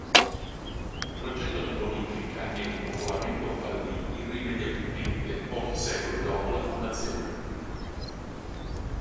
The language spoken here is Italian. Il progetto di bonifica e ripopolamento fallì irrimediabilmente pochi secoli dopo la fondazione.